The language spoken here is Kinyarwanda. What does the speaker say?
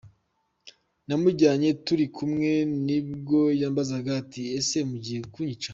Namujyanye turi kumwe, nibwo yambazaga ati ‘ese mugiye kunyica ?’.